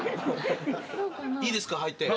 いいですか入って。